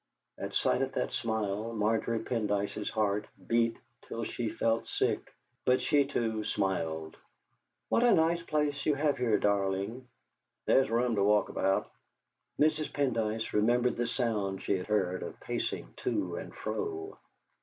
At sight of that smile Margery Pendyce's heart beat till she felt sick, but she, too, smiled. "What a nice place you have here, darling!" "There's room to walk about." Mrs. Pendyce remembered the sound she had heard of pacing to and fro.